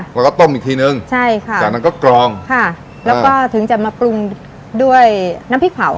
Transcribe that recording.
แล้วก็ต้มอีกทีนึงใช่ค่ะจากนั้นก็กรองค่ะแล้วก็ถึงจะมาปรุงด้วยน้ำพริกเผา